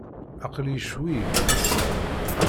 Aql-iyi ccwi, ass-a.